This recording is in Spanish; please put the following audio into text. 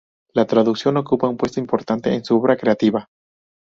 La traducción ocupa un puesto importante en su obra creativa.